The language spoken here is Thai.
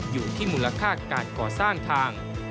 อยู่ที่มูลค่าการก่อสร้างทาง